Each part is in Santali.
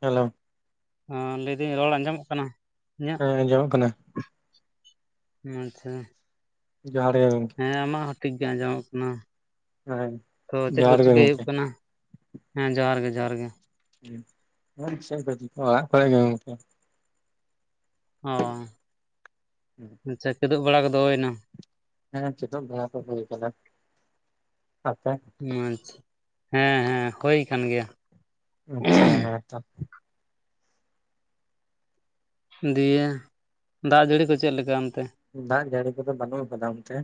ᱦᱮᱞᱳ᱾ ᱟᱸ ᱞᱟᱹᱭᱫᱟᱹᱧ ᱨᱚᱲ ᱟᱸᱡᱚᱢᱚᱜ ᱠᱟᱱᱟ? ᱤᱧᱟᱹᱜ ᱮᱸ ᱟᱸᱡᱚᱢᱚᱜ ᱠᱟᱱᱟ᱾ ᱟᱪᱪᱷᱟ᱾ ᱡᱚᱦᱟᱨ ᱜᱮ ᱦᱮᱸ ᱟᱢᱟᱜ ᱦᱚᱸ ᱴᱷᱤᱠ ᱜᱮ ᱟᱸᱡᱚᱢᱚᱜ ᱠᱟᱱᱟ᱾ ᱦᱮᱸ ᱛᱚ ᱪᱮᱫ ᱠᱚ ᱡᱚᱦᱟᱨ ᱜᱮ ᱪᱤᱠᱟᱹᱭ ᱦᱩᱭᱩᱜ ᱜᱚᱢᱠᱮ ᱠᱟᱱᱟ? ᱦᱮᱸ ᱡᱚᱦᱟᱨ ᱜᱮ ᱡᱚᱦᱟᱨ ᱜᱮ᱾ [unintelligible] ᱚᱲᱟᱜ ᱠᱚᱨᱮ ᱜᱮ ᱜᱚᱢᱠᱮ᱾ ᱚ, ᱦᱩᱸ ᱟᱪᱪᱷᱟ ᱠᱤᱫᱩᱜ ᱵᱟᱲᱟ ᱠᱚᱫᱚ ᱦᱩᱭᱱᱟ? ᱦᱮᱸ ᱠᱮᱫᱳᱜ ᱵᱟᱲᱟ ᱠᱚᱫᱚ ᱦᱩᱭ ᱠᱟᱱᱟ ᱟᱯᱮ? ᱟᱪᱪᱷᱟ, ᱦᱮᱸ ᱦᱮᱸ ᱦᱳᱭ ᱠᱟᱱ ᱜᱮᱭᱟ᱾ ᱟᱪᱪᱷᱟ ᱦᱮᱸ ᱛᱚ᱾ ᱫᱤᱭᱮ ᱫᱟᱜ ᱡᱟᱹᱲᱤ ᱠᱚ ᱪᱮᱫ ᱞᱮᱠᱟ ᱚᱱᱛᱮ? ᱫᱟᱜ ᱡᱟᱹᱲᱤ ᱠᱚᱫᱚ ᱵᱟᱹᱱᱩᱜ ᱠᱟᱫᱟ ᱚᱱᱛᱮ?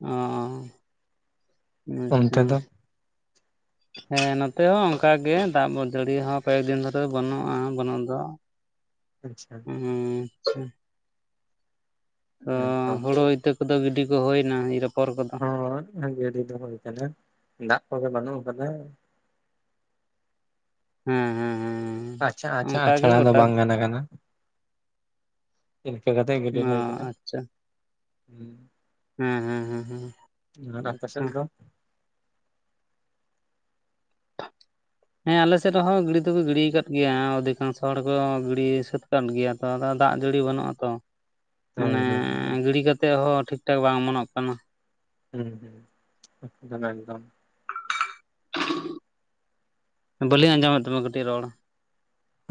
ᱚ ᱚᱱᱛᱮ ᱟᱪᱪᱷᱟ, ᱫᱚ [inaudible] ᱦᱮᱸ ᱱᱚᱛᱮ ᱦᱚᱸ ᱚᱱᱠᱟ ᱜᱮ ᱫᱟᱜ ᱢᱟᱫᱟᱹᱲᱤ ᱦᱚᱸ ᱠᱚᱭᱮᱠ ᱫᱤᱱ ᱫᱷᱚᱨᱮ ᱵᱟᱹᱱᱩᱜᱼᱟ ᱵᱟᱹᱱᱩᱜ ᱫᱚ? ᱟᱪᱪᱷᱟ᱾ ᱟ ᱟᱪᱪᱷᱟ᱾ ᱟᱸ, ᱦᱮᱸᱛᱚ ᱦᱳᱲᱳ ᱤᱛᱟᱹ ᱠᱚᱫᱚ ᱜᱤᱰᱤ ᱠᱚ ᱦᱩᱭᱱᱟ ᱤᱨᱟ. ᱟᱯᱚᱨ ᱠᱚᱫᱚ? [inaudible] ᱜᱟᱹᱰᱤ ᱫᱚ ᱦᱩᱭ ᱠᱟᱱᱟ ᱫᱟᱜ ᱠᱚᱜᱮ ᱵᱟᱹᱱᱩᱜ ᱟᱠᱟᱫᱟ᱾ ᱦᱮᱸ ᱦᱮᱸ ᱦᱮᱸ, ᱟᱪᱪᱷᱟ ᱟᱪᱪᱷᱟ ᱚᱱᱠᱟᱜᱮ ᱟᱪᱷᱲᱟ ᱫᱚ ᱜᱳᱴᱟ ᱵᱟᱝ ᱜᱟᱱ ᱮᱱ ᱠᱟ ᱠᱟᱛᱮᱠ ᱜᱤᱰᱤ ᱚ ᱦᱳᱭ ᱠᱟᱱᱟ᱾ ᱟᱪᱪᱷᱟ [inaudible] ᱦᱮᱸ ᱦᱮᱸ ᱦᱮᱸ ᱟᱨ ᱟᱯᱮ ᱥᱮᱫ ᱟᱪᱪᱷᱟ, ᱫᱚ ᱦᱮᱸ ᱟᱞᱮ ᱥᱮᱫ ᱦᱚᱸ ᱜᱤᱰᱤ ᱫᱚᱠᱚ ᱜᱤᱰᱤ ᱟᱠᱟᱫ ᱜᱮᱭᱟ ᱚᱫᱷᱤᱠᱟᱝᱥᱚ ᱦᱚᱲ ᱠᱚ ᱜᱤᱰᱤ ᱥᱟᱹᱛ ᱟᱠᱟᱫ ᱜᱮᱭᱟ᱾ ᱛ ᱟᱫᱚ ᱫᱟᱜ ᱡᱟᱹᱲᱤ ᱵᱟᱹᱱᱩᱜᱼᱟ ᱛᱚ? ᱦᱮᱸ ᱢᱟᱱᱮ ᱦᱮᱸ ᱦᱮᱸ ᱜᱤᱲᱤ ᱠᱟᱛᱮ ᱦᱚᱸ ᱴᱷᱤᱠᱼᱴᱷᱟᱠ ᱵᱟᱝ ᱚᱢᱚᱱᱚᱜ ᱠᱟᱱᱟ᱾ ᱦᱩᱸ ᱦᱩᱸ, [inaudible] ᱮᱠᱫᱚᱢ ᱮᱠᱫᱚᱢ᱾ [inaudible] ᱵᱟᱹᱞᱤᱧ ᱟᱸᱡᱚᱢᱮᱫ ᱛᱟᱢᱟ ᱠᱟᱹᱴᱤᱡ ᱨᱚᱲ?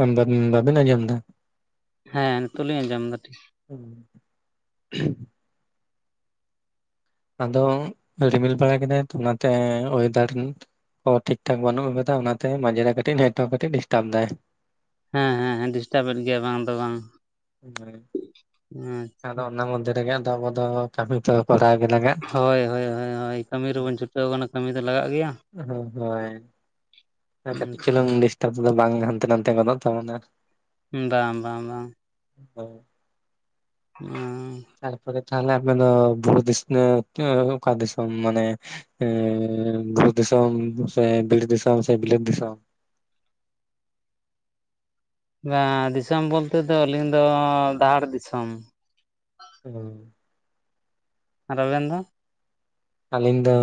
ᱟᱢᱫᱟᱫᱟ ᱵᱟᱹᱵᱤᱱ ᱟᱢᱚᱢᱫᱟ? ᱦᱮᱸ ᱱᱤᱛᱚᱜ ᱞᱤᱧ ᱟᱸᱡᱚᱢᱫᱟ ᱴᱤᱠ᱾ ᱦᱩᱸ, [inaudible] ᱟᱫᱚ ᱨᱤᱢᱤᱞ ᱵᱟᱲᱟ ᱠᱮᱫᱟᱭ ᱛᱚ ᱚᱱᱟᱛᱮ ᱚᱭᱫᱟᱨ ᱱᱤᱛ ᱚ ᱴᱷᱤᱠ-ᱴᱷᱟᱠ ᱵᱟᱹᱱᱩᱜ ᱠᱟᱫᱟ ᱚᱱᱟᱛᱮ ᱢᱟᱡᱮᱨᱮ ᱠᱟᱹᱴᱤᱡ ᱱᱮᱴᱣᱟᱨᱠ ᱠᱟᱹᱴᱤᱡ ᱰᱤᱥᱴᱟᱵᱽ ᱫᱟᱭ᱾ ᱦᱮᱸ ᱦᱮᱸ ᱰᱤᱥᱴᱟᱵ ᱮᱫ ᱜᱮᱭᱟ ᱵᱟᱝ ᱫᱚ ᱵᱟᱝ ᱟ [inaudible] ᱦᱮᱸ, ᱟᱫᱚ ᱚᱱᱟ ᱢᱚᱫᱫᱷᱮ ᱨᱮᱜᱮ ᱟᱫᱚ ᱟᱵᱩᱫᱚ ᱠᱟᱹᱯᱤᱫ ᱦᱚᱸᱵᱟᱲᱟᱭ ᱟᱵᱩᱱ ᱦᱳᱭ ᱦᱳᱭ ᱦᱳᱭ ᱦᱳᱭ ᱠᱟᱹᱢᱤ ᱨᱮᱵᱚᱱ ᱪᱷᱩᱴᱟᱹᱣ ᱟᱠᱟᱱᱟ ᱠᱟᱹᱢᱤ ᱫᱚ ᱞᱟᱜᱟᱜ ᱜᱮᱭᱟ? ᱦᱳᱭ ᱠᱟᱹᱴᱤᱡ ᱪᱩᱞᱩᱝ ᱰᱤᱥᱴᱟᱵᱽ ᱫᱚ ᱵᱟᱝ ᱦᱟᱱᱛᱮ-ᱱᱟᱱᱛᱮ ᱜᱚᱫᱚᱜ ᱛᱟᱵᱚᱱ-ᱟ᱾ ᱵᱟᱝ ᱵᱟᱝ ᱵᱟᱝ᱾ [inaudible] ᱚᱸ ᱛᱟᱨᱯᱚᱨᱮ ᱛᱟᱦᱞᱮ ᱟᱯᱮ ᱫᱚ ᱵᱩᱨᱩ ᱫᱤᱥᱱᱟᱹᱣ ᱥᱮ [inaudible] ᱚᱠᱟ ᱫᱤᱥᱚᱢ ᱢᱟᱱᱮ ᱮᱸ ᱵᱩᱨᱩ ᱫᱤᱱᱟᱹᱢ ᱥᱮ ᱵᱤᱨ ᱫᱤᱱᱟᱹᱢ ᱥᱮ ᱵᱤᱞᱟᱹᱛ ᱫᱤᱥᱟᱹᱢ? ᱵᱟᱝ ᱫᱤᱥᱚᱢ ᱵᱚᱞᱛᱮ ᱫᱚ ᱟᱹᱞᱤᱧ ᱫᱚ ᱰᱟᱦᱟᱲ ᱫᱤᱥᱚᱢ᱾ ᱚᱸ, ᱟᱨ ᱟᱵᱮᱱ ᱫᱚ? ᱟᱞᱤᱧ ᱫᱚᱻ᱾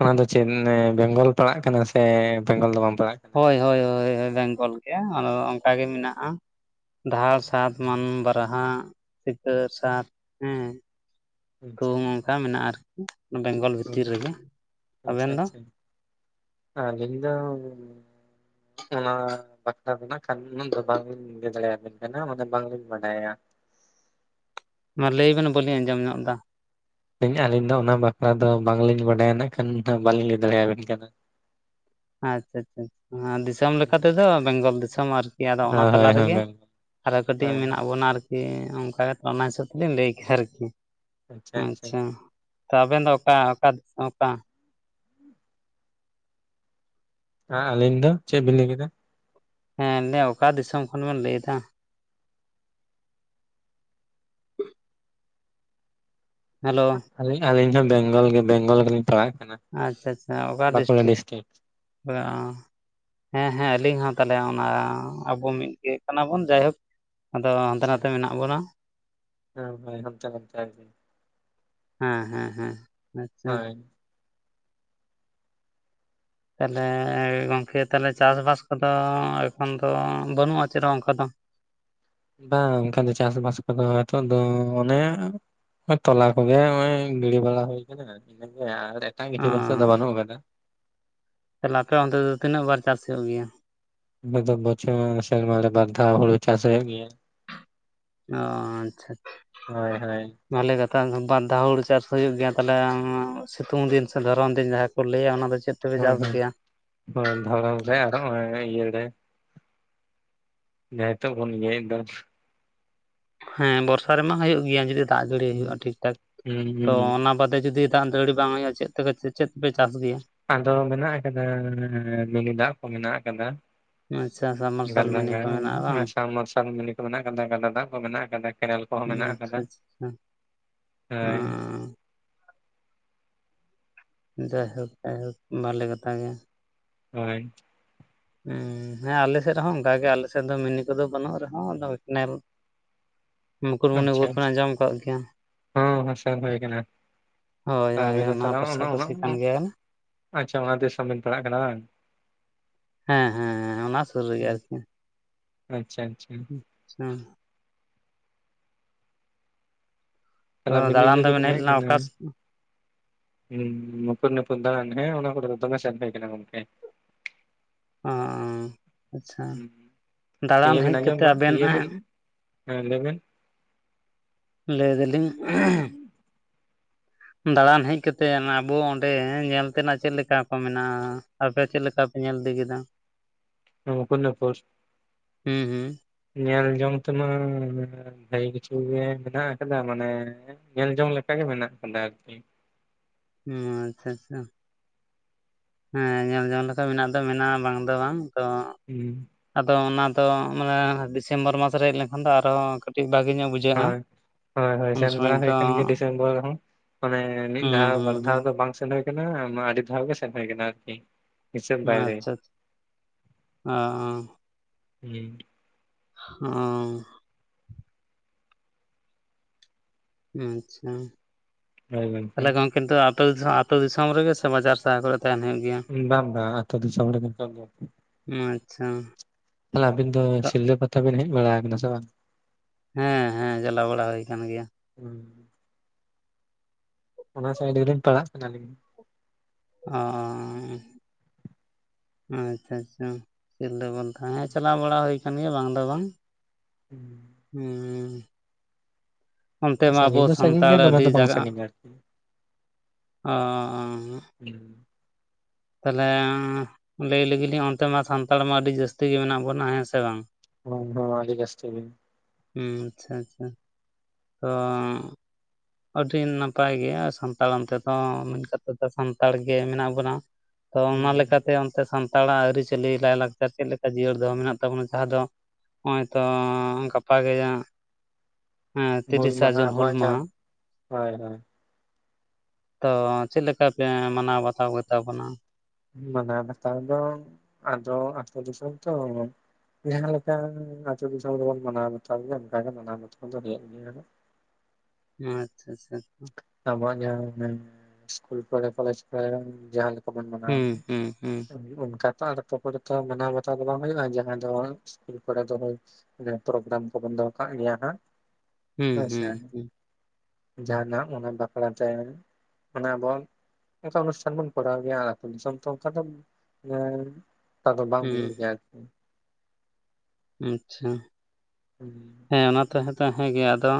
ᱚᱱᱟ ᱫᱚ ᱪᱮᱫ ᱮᱸᱻ ᱵᱮᱝᱜᱚᱞ ᱯᱟᱲᱟᱜ ᱠᱟᱱᱟ ᱥᱮ ᱵᱮᱝᱜᱚᱞ ᱫᱚ ᱵᱟᱝ ᱯᱟᱲᱟᱜ ᱠᱟᱱᱟ᱾ ᱦᱚᱭ ᱦᱚᱭ ᱦᱚᱭ ᱦᱚᱭ ᱵᱮᱝᱜᱚᱞ ᱜᱮ ᱚᱱᱟᱫᱚ ᱚᱱᱠᱟ ᱜᱮ ᱢᱮᱱᱟᱜᱼᱟ᱾ ᱰᱷᱟᱲ ᱥᱟᱛ ᱢᱟᱱ ᱵᱟᱨᱦᱟ ᱥᱤᱠᱟᱹᱨ ᱥᱟᱛ ᱦᱮᱸ᱾ ᱟᱪᱪᱷᱟ ᱛᱩᱢ ᱚᱱᱠᱟ ᱢᱮᱱᱟᱜᱼᱟ ᱟᱨᱠᱤ ᱵᱮᱝᱜᱚᱞ ᱵᱷᱤᱛᱨ ᱦᱩᱸ ᱨᱮᱜᱮ ᱟᱵᱮᱱ ᱫᱚ᱾ ᱟᱞᱤᱧ ᱫᱚ ᱚᱱᱟ᱾ ᱵᱟᱠᱷᱨᱟ ᱫᱚ ᱱᱟᱜ ᱠᱷᱟᱱ ᱩᱱᱟᱹᱜ ᱫᱚ ᱵᱟᱝᱞᱤᱧ ᱞᱟᱹᱭ ᱫᱟᱲᱮᱭᱟ ᱵᱤᱱ ᱠᱟᱱᱟ ᱚᱱᱟ ᱫᱚ ᱵᱟᱝᱞᱤᱧ ᱵᱟᱰᱟᱭᱟ᱾ ᱢᱟ ᱞᱟᱹᱭ ᱵᱮᱱ ᱵᱟᱹᱞᱤᱧ ᱟᱸᱡᱚᱢ ᱧᱚᱜ ᱫᱟ᱾ ᱤᱧ ᱟᱹᱞᱤᱧ ᱫᱚ ᱚᱱᱟ ᱵᱟᱠᱷᱨᱟ ᱫᱚ ᱵᱟᱝᱞᱤᱧ ᱵᱟᱰᱟᱭᱟ ᱱᱟᱜ ᱠᱷᱟᱱ ᱫᱚ ᱵᱟᱞᱤᱧ ᱞᱮᱴ ᱫᱟᱲᱮ ᱟᱵᱮᱱ ᱠᱟᱱᱟ᱾ ᱟᱪᱼᱪᱷᱟ ᱟᱪᱪᱷᱟ ᱦᱟᱸ ᱫᱤᱥᱚᱢ ᱞᱮᱠᱟ ᱛᱮᱫᱚ ᱵᱮᱝᱜᱚᱞ ᱫᱤᱥᱚᱢ ᱟᱨ ᱠᱤ ᱟᱫᱚ ᱚᱱᱟ ᱦᱳᱭ ᱛᱟᱞᱟ ᱦᱳᱭ ᱦᱳᱭ ᱨᱮᱜᱮ᱾ ᱢᱮᱢ ᱟᱨᱚ ᱠᱟᱹᱴᱤᱡ ᱦᱳᱭ ᱢᱮᱱᱟᱜ ᱵᱚᱱᱟ ᱟᱨ ᱠᱤ ᱚᱱᱠᱟ ᱠᱟᱛᱮ ᱚᱱᱟ ᱦᱤᱥᱟᱹᱵᱽ ᱛᱮᱞᱤᱧ ᱞᱟᱹᱭ ᱠᱮᱜ-ᱟ ᱟᱨᱠᱤ ᱟᱪᱪᱷᱟ᱾ ᱛᱚ ᱟᱵᱮᱱ ᱫᱚ ᱚᱠᱟ ᱚᱠᱟ ᱚᱠᱟ᱾ ᱦᱟᱸ ᱟᱹᱞᱤᱧ ᱫᱚ ᱪᱮᱜ ᱵᱤᱱ ᱞᱟᱹᱭ ᱠᱮᱫᱟ᱾ ᱦᱮᱸ ᱞᱟᱹᱭ ᱫᱟᱹ ᱚᱠᱟ ᱫᱤᱥᱚᱢ ᱠᱷᱚᱱ ᱵᱮᱱ ᱞᱟᱹᱭ ᱫᱟ᱾ [inaudible] ᱦᱮᱞᱳ᱾ ᱟᱞᱤ ᱟᱞᱤᱧ ᱦᱚᱸ ᱵᱮᱝᱜᱚᱞ ᱜᱮ ᱵᱮᱝᱜᱚᱞ ᱜᱮᱞᱤᱧ ᱯᱟᱲᱟᱜ ᱠᱟᱱᱟ᱾ ᱟᱪᱼᱪᱷᱟ ᱟᱪᱷᱟ ᱚᱠᱟ ᱰᱤᱥᱴᱤᱠ᱾ ᱵᱟᱻ ᱦᱮᱸ ᱦᱮᱸ ᱟᱹᱞᱤᱧ ᱦᱚᱸ ᱛᱟᱦᱞᱮ ᱚᱱᱟ ᱟᱵᱚ ᱢᱤᱫᱜᱮ ᱠᱟᱱᱟ ᱵᱚᱱ ᱡᱟᱭᱦᱳᱠ᱾ ᱟᱫᱚ ᱦᱟᱱᱛᱮ ᱟᱪᱪᱷᱟ ᱱᱟᱛᱮ ᱢᱮᱱᱟᱜ ᱵᱚᱱᱟ ᱦᱮᱸ ᱦᱚᱭ ᱦᱟᱱᱛᱮ-ᱱᱟᱱᱛᱮ ᱟᱨᱠᱤ᱾ ᱦᱮᱸ ᱦᱮᱸ ᱦᱮᱸ ᱟᱪᱪᱷᱟ᱾ ᱦᱳᱭ᱾ ᱛᱟᱦᱞᱮ ᱜᱚᱢᱠᱮ ᱛᱟᱦᱞᱮ ᱪᱟᱥᱵᱟᱥ ᱠᱚᱫᱚ ᱮᱠᱷᱚᱱ ᱫᱚ ᱵᱟᱹᱱᱩᱜᱼᱟ ᱪᱮᱫᱚ ᱚᱱᱠᱟ ᱫᱚ᱾ ᱵᱟᱝ ᱚᱱᱠᱟ ᱫᱚ ᱪᱟᱥ ᱵᱟᱥ ᱠᱚᱫᱚ ᱱᱤᱛᱚᱜ ᱫᱚ ᱚᱱᱮ ᱛᱚᱞᱟ ᱠᱚᱜᱮ ᱚᱸᱜᱚᱭ ᱜᱤᱲᱤ ᱵᱟᱲᱟ ᱦᱩᱭ ᱠᱟᱱᱟ ᱦᱮᱸᱥᱮ ᱟᱨ ᱮᱴᱟᱜ ᱚ ᱠᱤᱪᱷᱩ ᱫᱚ ᱱᱤᱛᱚᱜ ᱫᱚ ᱵᱟᱱᱩᱜ ᱠᱟᱫᱟ᱾ ᱛᱟᱞᱦᱮ ᱟᱯᱮ ᱚᱱᱛᱮ ᱫᱚ ᱛᱤᱱᱟᱹᱜ ᱵᱟᱨ ᱪᱟᱥ ᱦᱳᱭᱩᱜ ᱜᱮᱭᱟ᱾ ᱟᱵᱚ ᱫᱚ ᱵᱚᱪᱷᱚᱨ ᱥᱮᱨᱢᱟ ᱨᱮ ᱵᱟᱨ ᱫᱷᱟᱣ ᱦᱳᱲᱳ ᱪᱟᱥ ᱦᱳᱭᱳᱜ ᱜᱮᱭᱟ᱾ ᱚ ᱟᱪᱪᱷᱟ ᱪᱷᱟ᱾ ᱦᱳᱭ ᱦᱳᱭ ᱵᱷᱟᱞᱮ ᱠᱟᱛᱷᱟ ᱵᱟᱨᱫᱷᱟᱣ ᱦᱩᱲᱩ ᱪᱟᱥ ᱦᱩᱭᱩᱜ ᱜᱮᱭᱟ ᱛᱟᱦᱞᱮ ᱥᱤᱛᱩᱝ ᱫᱤᱱ ᱥᱮ ᱫᱷᱚᱨᱚᱱ ᱫᱤᱱ ᱡᱟᱦᱟ ᱠᱚ ᱞᱟᱹᱭᱟ ᱚᱱᱟ ᱫᱚ ᱪᱮᱫ? ᱛᱮᱯᱮ ᱦᱚᱭ ᱪᱟᱥ ᱦᱮᱸ ᱜᱮᱭᱟ ᱦᱚᱭ ᱫᱷᱚᱲᱚᱱ ᱨᱮ ᱟᱨ ᱚᱸᱜ-ᱚᱭ ᱤᱭᱟᱹ ᱨᱮ᱾ ᱡᱟᱦᱟ ᱱᱤᱛᱚᱜ ᱵᱚᱱ ᱤᱭᱟᱹᱭᱮᱜ ᱫᱚ᱾ ᱦᱮᱸ ᱵᱚᱨᱥᱟ ᱨᱮᱢᱟ ᱦᱩᱭᱩᱜ ᱜᱮᱭᱟ ᱡᱩᱫᱤ ᱫᱟᱜ ᱡᱟᱹᱲᱤ ᱦᱩᱸ ᱦᱩᱭᱩᱜᱼᱟ ᱴᱷᱤᱠ ᱴᱷᱟᱠ ᱛᱚ ᱦᱩᱸ ᱚᱱᱟ ᱵᱟᱫᱮ ᱡᱩᱫᱤ᱾ ᱫᱟᱜ ᱡᱟᱹᱲᱤ ᱵᱟᱝ ᱦᱳᱭᱳᱜᱼᱟ ᱪᱮᱫ ᱛᱮᱯᱮ ᱪᱮᱫ ᱯᱮ ᱪᱟᱥ ᱜᱮᱭᱟ᱾ ᱟᱫᱚ ᱢᱮᱱᱟᱜ ᱠᱟᱫᱟ ᱢᱤᱱᱤ ᱫᱟᱜ ᱠᱚ ᱢᱮᱱᱟᱜ ᱠᱟᱫᱟ᱾ ᱟᱪᱪᱷᱟ ᱥᱟᱵ ᱢᱟᱨᱥᱟᱞ ᱜᱟᱰᱟ ᱢᱤᱱᱤ ᱜᱟ ᱠᱚ ᱢᱮᱱᱟᱜᱼᱟ ᱵᱟᱝ ᱥᱟᱱ ᱢᱟᱨᱥᱟᱞ ᱢᱤᱱᱤᱠᱚ ᱢᱮᱱᱟᱜ ᱠᱟᱫᱟ ᱜᱟᱰᱟ ᱫᱟᱜ ᱠᱚ ᱢᱮᱱᱟᱜ ᱠᱟᱫᱟ᱾ ᱠᱮᱱᱮᱞ ᱠᱚᱦᱚᱸ ᱢᱮᱱᱟᱜ ᱟᱪᱪᱷᱟ ᱟᱠᱟᱫᱟ ᱟᱪᱪᱷᱟ ᱦᱟᱹᱭ᱾ ᱦᱮᱸ ᱡᱟᱭ ᱦᱳᱠ ᱡᱟᱭ ᱦᱳᱠ ᱵᱷᱟᱞᱮ ᱠᱟᱛᱷᱟ ᱜᱮ᱾ ᱦᱳᱭ᱾ ᱦᱩᱸ ᱦᱮᱸ ᱟᱞᱮᱥᱮᱜ ᱨᱮᱦᱚᱸ ᱚᱱᱠᱟ ᱜᱮ ᱟᱞᱮᱥᱮᱫ ᱫᱚ ᱢᱤᱱᱤ ᱠᱚᱫᱚ ᱵᱟᱱᱩᱜ ᱨᱮᱦᱚᱸ ᱟᱫᱚ ᱠᱮᱱᱮᱞ᱾ ᱟᱪ-ᱪᱷᱟ ᱢᱩᱠᱩᱴᱢᱩᱱᱤᱯᱩᱨ ᱵᱮᱱ ᱟᱪᱷᱟ ᱟᱸᱡᱚᱢ ᱟᱠᱟᱫ ᱜᱮᱭᱟ ᱦᱚᱸ ᱦᱚᱸ ᱥᱟᱵ ᱦᱳᱭ ᱠᱟᱱᱟ᱾ ᱦᱳᱭ ᱦᱳᱭ ᱟᱵᱤᱱ ᱫᱚ ᱛᱟᱦᱞᱮ ᱚᱱᱟ ᱚᱱᱟ ᱯᱟᱥᱟᱯᱟᱥᱤ ᱠᱟᱱ ᱚᱸ ᱜᱮᱭᱟ ᱟᱪ-ᱪᱷᱟ ᱚᱱᱟ ᱫᱤᱥᱚᱢ ᱵᱤᱱ ᱯᱟᱲᱟᱜ ᱠᱟᱱᱟ ᱵᱟᱝ᱾ ᱦᱮᱸ ᱦᱮᱸ ᱦᱮᱸ ᱚᱱᱟ ᱥᱩᱨ ᱨᱮᱜᱮ ᱟᱨᱼᱠᱤ᱾ ᱟᱪ-ᱪᱷᱟ ᱟᱪᱪᱷᱟ᱾ ᱟᱪ-ᱪᱷᱟ᱾ ᱛᱟᱦᱞᱮ ᱟᱵᱤᱱ ᱫᱟᱬᱟᱱ ᱤᱭᱟᱹ ᱫᱚᱵᱮᱱ ᱜᱮᱵᱤᱱ ᱦᱮᱡ ᱞᱮᱱᱟ ᱠᱟᱱᱟ᱾ ᱚᱠᱟ [unintelligible] [unintelligible] ᱫᱟᱲᱟᱱ, ᱦᱮᱸ ᱚᱱᱟ ᱠᱚᱼᱫᱚ ᱫᱚᱢᱮ ᱥᱟᱹᱨᱫᱤ ᱠᱟᱱᱟ ᱜᱚᱝᱠᱮ᱾ ᱚᱼᱚᱝ᱾ ᱟᱪᱪᱷᱟ, ᱫᱟᱬᱟᱱ ᱤᱭᱟᱹ ᱵᱤᱱ ᱦᱮᱡ ᱟᱸᱡᱚᱢ ᱠᱟᱛᱮ ᱠᱟᱜ ᱟᱵᱮᱱ ᱤᱭᱟᱹ ᱵᱤᱱ ᱦᱟᱸᱜ, ᱞᱟᱹᱭ ᱵᱤᱱ ᱞᱟᱹᱭ ᱫᱟᱹᱞᱤᱧ? ᱫᱟᱲᱟᱱ ᱦᱮᱡ ᱠᱟᱛᱮᱫ ᱟᱵᱚ ᱚᱸᱱᱰᱮ ᱧᱮᱞ ᱛᱮᱱᱟᱜ ᱪᱮᱫ ᱞᱮᱠᱟ ᱠᱚ ᱢᱮᱱᱟᱜᱼᱟ? ᱟᱯᱮ ᱪᱮᱫ ᱞᱮᱠᱟ ᱯᱮ ᱧᱮᱞ ᱤᱫᱤ ᱠᱮᱫᱟ? ᱢᱩᱠᱩᱴᱢᱩᱱᱤᱯᱩᱨ, ᱦᱩᱸ ᱦᱩᱸ ᱧᱮᱞ ᱡᱚᱝ ᱛᱮᱢᱟ ᱵᱷᱟᱜᱮ ᱠᱤᱪᱷᱩ ᱜᱮ ᱢᱮᱱᱟᱜ ᱟᱠᱟᱫᱟ, ᱢᱟᱱᱮ ᱧᱮᱞ ᱡᱚᱝ ᱞᱮᱠᱟ ᱜᱮ ᱢᱮᱱᱟᱜ ᱠᱟᱫᱟ ᱟᱨᱠᱤ, ᱦᱩᱸ, ᱟᱪᱪᱷᱟ ᱟᱪᱪᱷᱟ᱾ ᱦᱮᱸ ᱧᱮᱞ ᱡᱚᱝ ᱞᱮᱠᱟ ᱢᱮᱱᱟᱜ ᱫᱚ ᱢᱮᱱᱟᱜᱼᱟ ᱵᱟᱝ ᱫᱚ ᱵᱟᱝ, ᱛᱚ ᱩᱸ, ᱟᱫᱚ ᱚᱱᱟ ᱫᱚ ᱢᱟᱱᱮ ᱰᱤᱥᱮᱢᱵᱚᱨ ᱢᱟᱥ ᱨᱮ ᱦᱮᱡ ᱞᱮᱱᱠᱷᱟᱱ ᱫᱚ ᱟᱨᱦᱚᱸ ᱠᱟᱹᱴᱤᱡ ᱵᱷᱟᱜᱤ ᱧᱚᱜ ᱵᱩᱡᱷᱟᱜᱼᱟ᱾ ᱦᱚᱭ, ᱦᱚᱭᱼᱦᱚᱭ ᱥᱮᱱ ᱵᱟᱲᱟ ᱦᱳᱭ ᱠᱟᱱᱟ ᱰᱤᱥᱮᱢᱵᱚᱨ ᱨᱮᱦᱚᱸ᱾ ᱚᱱᱮ ᱢᱤᱫ ᱦᱩᱸ ᱫᱷᱟᱣ ᱦᱩᱸ ᱵᱟᱨ ᱫᱷᱟᱣ ᱫᱚ ᱦᱩᱸ ᱵᱟᱝ ᱥᱮᱱ ᱦᱩᱭ ᱠᱟᱱᱟ, ᱢᱟ ᱟᱹᱰᱤ ᱫᱷᱟᱣ ᱜᱮ ᱥᱮᱱ ᱦᱩᱭ ᱠᱟᱱᱟ ᱟᱨᱠᱤ᱾ ᱦᱤᱥᱟᱹᱵᱽ ᱵᱟᱭᱨᱮ, ᱟᱪᱪᱷᱟ ᱚ ᱦᱩᱸ᱾ ᱦᱚᱸ, ᱟᱪᱪᱷᱟ᱾ ᱦᱳᱭ ᱵᱟᱝᱠᱷᱟᱱ ᱠᱤᱱᱛᱩ ᱟᱹᱛᱳ ᱫᱤᱥᱚᱢ, ᱟᱛᱳ ᱫᱤᱥᱚᱢ ᱨᱮᱜᱮ ᱥᱮ ᱵᱟᱡᱟᱨ ᱥᱟᱦᱟᱨ ᱠᱚᱨᱮ ᱛᱟᱦᱮᱱ ᱦᱩᱭᱩᱜ? ᱜᱮᱭᱟ? ᱵᱟᱸᱼᱵᱟᱹ ᱟᱛᱳ ᱫᱤᱥᱚᱢ ᱨᱮᱜᱮ ᱱᱤᱛᱚᱜ ᱫᱚ ᱾ ᱚᱸ ᱟᱪᱪᱷᱟ᱾ ᱛᱟᱦᱚᱞᱮ ᱟᱹᱵᱤᱱ ᱫᱚ ᱥᱤᱞᱫᱟᱹ ᱯᱟᱛᱟ ᱵᱤᱱ ᱦᱮᱡ ᱵᱟᱲᱟᱜ ᱠᱟᱱᱟ ᱥᱮ ᱵᱟᱝ? ᱦᱮᱸ ᱦᱮᱸ, ᱪᱟᱞᱟᱣ ᱵᱟᱲᱟ ᱦᱩᱭᱼᱠᱟᱱ ᱜᱮᱭᱟ᱾ ᱦᱩᱸ, ᱚᱱᱟ ᱥᱟᱭᱤᱰ ᱜᱮᱞᱤᱧ ᱯᱟᱲᱟᱜ ᱠᱟᱱᱟ ᱟᱹᱞᱤᱧ ᱫᱚ᱾ ᱚᱼᱟᱪᱪᱷᱟ ᱟᱪᱪᱷᱟ᱾ ᱥᱤᱞᱫᱟ ᱵᱞᱛᱮ ᱦᱮᱸ ᱪᱟᱞᱟᱣ ᱵᱟᱲᱟ ᱦᱩᱭ ᱠᱟᱱ ᱜᱮᱭᱟ ᱵᱟᱝ ᱫᱚ ᱵᱟᱝ᱾ ᱦᱩᱸ, ᱩᱻ, ᱚᱱᱛᱮ ᱢᱟ ᱟᱵᱚ ᱥᱟᱺᱜᱤᱧ ᱫᱚ ᱥᱟᱺᱜᱤᱧ ᱥᱟᱱᱛᱟᱲ ᱜᱮᱭᱟ ᱫᱚᱢᱮ ᱟᱹᱰᱤ ᱫᱚ ᱡᱟᱜᱟᱜ [unintelligible] ᱚ ᱚ ᱦ ᱦᱟᱸᱜ᱾ ᱦᱩ, ᱛᱟᱦᱚᱞᱮ ᱞᱟᱹᱭ ᱞᱮᱹᱜᱤᱞᱤᱧ ᱚᱱᱛᱮ ᱢᱟ ᱥᱟᱱᱛᱟᱲ ᱢᱟ ᱟᱹᱰᱤ ᱡᱟᱹᱥᱛᱤ ᱜᱮ ᱢᱮᱱᱟᱜ ᱵᱚᱱᱟ, ᱦᱮᱸ ᱥᱮ ᱵᱟᱝ? ᱦᱩᱸ ᱦᱩᱸ ᱟᱹᱰᱤ ᱡᱟᱥᱛᱤ ᱜᱮ᱾ ᱦᱩᱸ ᱪᱷᱟ ᱪᱷᱟ, ᱛᱚᱝᱻ ᱟᱹᱰᱤ ᱱᱟᱯᱟᱭ ᱜᱮ ᱥᱟᱱᱛᱟᱲ ᱚᱱᱛᱮ ᱫᱚ ᱢᱮᱱ ᱠ ᱮᱫ ᱫᱚ ᱥᱟᱱᱛᱟᱲ ᱜᱮ ᱢᱮᱱᱟᱜ ᱵᱚᱱᱟ᱾ ᱛᱚ ᱚᱱᱟ ᱞᱮᱠᱟᱛᱮ ᱚᱱᱛᱮ ᱥᱟᱱᱛᱟᱲᱟᱜ ᱟᱹᱨᱤᱪᱟᱹᱞᱤ ᱞᱟᱭᱼᱞᱟᱠᱪᱟᱨ ᱪᱮᱫ ᱞᱮᱠᱟ ᱡᱤᱭᱟᱹᱲ ᱫᱚᱦᱚ ᱢᱮᱱᱟᱜ ᱛᱟᱵᱚᱱᱟ ᱡᱟᱦᱟᱸ ᱫᱚ, ᱱᱚᱜ ᱚᱭ ᱛᱚᱻ ᱜᱟᱯᱟ‌ ᱜᱮ ᱢᱟᱝᱦᱟᱜ‌ ᱦᱩᱞ ᱛᱤᱨᱤᱥᱟ ᱢᱟᱦᱟ ᱡᱩᱱ ᱦᱩᱞ ᱟᱵᱚᱣᱟᱜ ᱢᱟᱦᱟ ᱡᱟᱦᱟᱸ ᱦᱳᱭ ᱦᱳᱭ, ᱛᱚ ᱪᱮᱫ ᱞᱮᱠᱟ ᱯᱮ ᱢᱟᱱᱟᱣ ᱵᱟᱛᱟᱣ ᱜᱮᱛᱟ ᱵᱚᱱᱟ? ᱢᱟᱱᱟᱣ ᱵᱟᱛᱟᱣ ᱫᱚ ᱟᱫᱚ ᱟᱛᱳ ᱫᱤᱥᱚᱢ ᱛᱚ, ᱡᱟᱦᱟᱸ ᱞᱮᱠᱟ ᱟᱹᱛᱩ ᱫᱤᱥᱚᱢ ᱨᱮᱵᱚᱱ ᱢᱟᱱᱟᱣ ᱵᱟᱛᱟᱣ ᱜᱮᱭᱟ ᱚᱱᱠᱟ ᱜᱮ ᱢᱟᱱᱟᱣ ᱵᱟᱛᱟᱣ ᱫᱚ ᱦᱩᱭᱩᱜ ᱜᱮᱭᱟ ᱦᱟᱹᱜ᱾ ᱟᱪᱪᱷᱟ ᱟᱪᱪᱷᱟ, ᱟᱵᱚᱣᱟᱜ ᱡᱟᱦᱟᱸ ᱦᱮᱸ ᱤᱥᱠᱩᱞ ᱠᱚᱨᱮ ᱠᱚᱞᱮᱡᱽ ᱠᱚᱨᱮ ᱡᱟᱦᱟᱸ [inaudible] ᱦᱩᱸ ᱦᱩᱸ ᱦᱩᱸ [inaudible] ᱚᱱ ᱚᱱᱠᱟ ᱛᱚ ᱟᱫᱚ ᱟᱛᱳ ᱠᱚᱨᱮ ᱫᱚ ᱢᱟᱱᱟᱣ ᱵᱟᱛᱟᱣ ᱫᱚ ᱵᱟᱝ ᱦᱩᱭᱩᱜᱼᱟ ᱡᱟᱦᱟᱸ ᱫᱚ ᱤᱥᱠᱩᱞ ᱠᱚᱨᱮ ᱫᱚ ᱦᱳᱭ ᱨᱮ ᱯᱨᱳᱜᱨᱟᱢ ᱠᱚᱵᱮᱱ ᱫᱚᱦᱚ ᱠᱟᱜ ᱜᱮᱭᱟ ᱦᱟᱸᱜ᱾ ᱦᱩᱸ ᱦᱩᱸ ᱦᱩᱸ᱾ ᱡᱟᱦᱟ ᱱᱟᱜ ᱚᱱᱟ ᱵᱟᱠᱲᱟ ᱛᱮ, ᱚᱱᱟ ᱵᱚᱱ ᱚᱱᱠᱟ ᱚᱱᱩᱥᱴᱟᱱ ᱵᱚᱱ ᱠᱚᱨᱟᱣ ᱜᱮᱭᱟ ᱟᱛᱳ ᱫᱤᱥᱚᱢ ᱛᱚ ᱚᱱᱠᱟ ᱫᱚ ᱮᱸ ᱟᱫᱚ ᱵᱟᱝ ᱦᱩᱭᱩᱜ ᱜᱮᱭᱟ ᱟᱨᱠᱤ᱾ ᱟᱪᱪᱷᱟ᱾ ᱦᱩᱸ᱾ ᱦᱮᱸ ᱚᱱᱟ ᱛᱚ ᱦᱮᱸ ᱛᱚ ᱦᱮᱸ ᱜᱮ ᱟᱫᱚ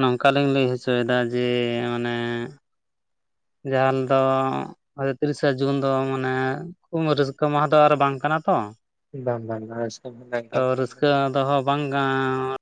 ᱱᱚᱝᱠᱟ ᱞᱤᱧ ᱞᱟᱹᱭ ᱦᱚᱪᱚᱭ ᱫᱟ ᱡᱮ ᱢᱟᱱᱮ ᱡᱟᱦᱟᱞ ᱫᱚ ᱟᱫᱚ ᱛᱤᱨᱤᱥᱟ ᱡᱩᱱ ᱫᱚ ᱢᱟᱱᱮ ᱮ ᱩᱢ ᱨᱟᱹᱥᱠᱟᱹ ᱢᱟᱦᱟ ᱫᱚ ᱟᱨ ᱵᱟᱝ ᱠᱟᱱᱟ ᱛᱚ- ᱵᱟᱝ ᱵᱟᱝ ᱨᱟᱹᱥᱠᱟᱹ ᱢᱟᱦᱟᱸ ᱫᱚ ᱛᱚ ᱮᱠᱟᱞ ᱜᱮ ᱵᱟᱝ ᱨᱟᱹᱥᱠᱟᱹ ᱠᱟᱱᱟ᱾ ᱫᱚᱦᱚ ᱵᱟᱝ [unintelligible]